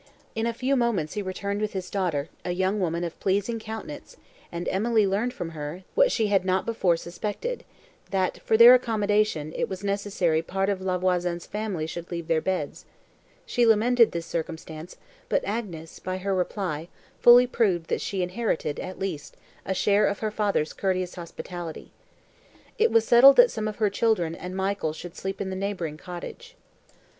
In a few moments he returned with his daughter, a young woman of pleasing countenance, and Emily learned from her, what she had not before suspected, that, for their accommodation, it was necessary part of La Voisin's family should leave their beds; she lamented this circumstance, but Agnes, by her reply, fully proved that she inherited, at least, a share of her father's courteous hospitality. It was settled, that some of her children and Michael should sleep in the neighbouring cottage.